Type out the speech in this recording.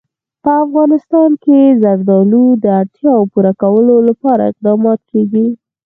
په افغانستان کې د زردالو د اړتیاوو پوره کولو لپاره اقدامات کېږي.